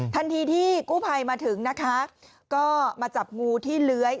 ทันทีที่กู้ภัยมาถึงนะคะก็มาจับงูที่เลื้อย